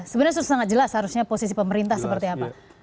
sebenarnya sudah sangat jelas harusnya posisi pemerintah seperti apa